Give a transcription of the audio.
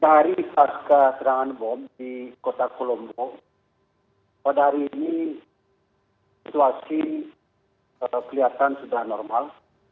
sehari pasca serangan bom di kota kolombok pada hari ini situasi kelihatan sudah normal